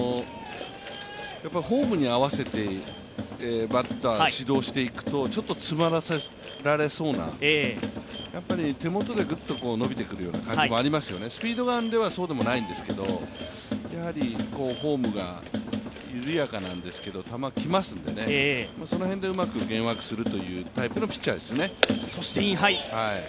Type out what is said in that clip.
フォームに合わせてバッターを指導していくとちょっと詰まらせられそうな、手元でグッと伸びてくるような感じもありましたしスピードガンではそうでもないんですけど、フォームが緩やかなんですけど、球来ますので、その辺でうまく幻惑するというタイプのピッチャーですね。